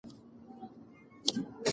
سپما ستا د کاروبار د ملا تیر دی.